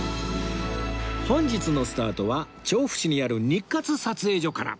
本日のスタートは調布市にある日活撮影所から